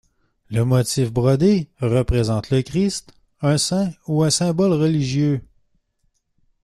Le motif brodé représente le Christ, un saint ou un symbole religieux.